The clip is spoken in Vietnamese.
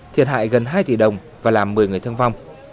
thiệt hại gần hai tỷ đồng và làm một mươi người thương vong